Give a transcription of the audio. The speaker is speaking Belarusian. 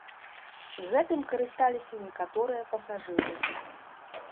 Гэтым карысталіся некаторыя пасажыры.